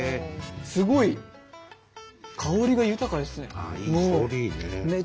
すごい香りが豊かですね。